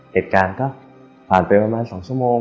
เหตุการณ์ก็ผ่านไปประมาณ๒ชั่วโมง